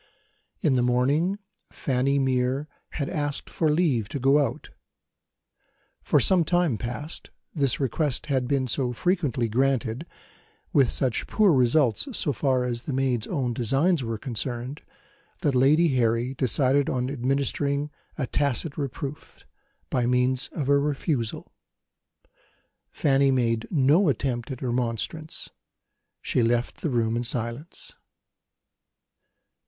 In the morning, Fanny Mere had asked for leave to go out. For some time past this request had been so frequently granted, with such poor results so far as the maid's own designs were concerned, that Lady Harry decided on administering a tacit reproof, by means of a refusal. Fanny made no attempt at remonstrance; she left the room in silence.